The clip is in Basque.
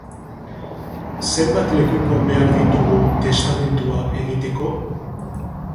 Zenbat lekuko behar ditugu testamentua egiteko?